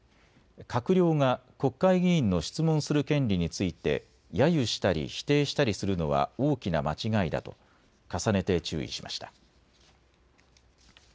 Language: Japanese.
閣僚が国会議員の質問する権利についてやゆしたり否定したりするのは大きな間違いだと重ねて注意しました。